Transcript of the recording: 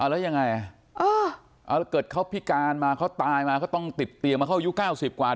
แล้วเกิดเขาพิการมาเขาตายมาเขาต้องติดเตียงมาเข้ายุคเก้าสิบกว่า